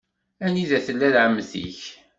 Anida tella ɛemmti-k?